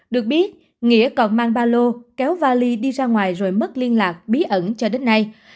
được biết nghĩa còn mang ba lô kéo vali đi ra ngoài rồi mất liên lạc bí ẩn cho đến nay